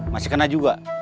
masih kena juga